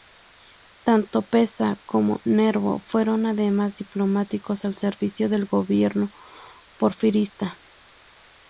Tanto Peza como Nervo fueron, además, diplomáticos al servicio del gobierno porfirista.